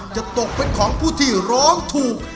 จะตกเป็นของผู้ที่ร้องถูก